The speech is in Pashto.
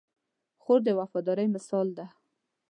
خور د وفادارۍ مثال ده.